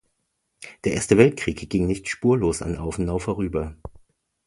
Der Erste Weltkrieg ging nicht spurlos an Aufenau vorüber.